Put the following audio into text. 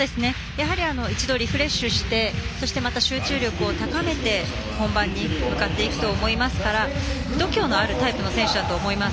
一度、リフレッシュして集中力を高めて本番に向かっていくと思いますから度胸のあるタイプの選手だと思います。